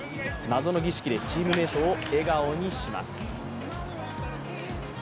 謎の儀式でチームメートを笑顔にします。